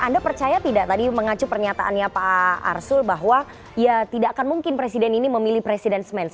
anda percaya tidak tadi mengacu pernyataannya pak arsul bahwa ya tidak akan mungkin presiden ini memilih presiden ⁇ ns